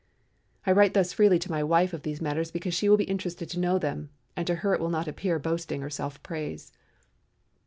I write thus freely to my wife of these matters because she will be interested to know them and to her it will not appear boasting or self praise.